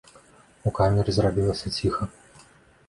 У камеры зрабілася ціха.